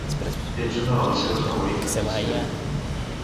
Ets una de les seves favorites, Esther.